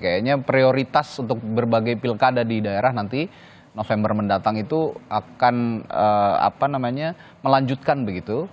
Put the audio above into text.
kayaknya prioritas untuk berbagai pilkada di daerah nanti november mendatang itu akan melanjutkan begitu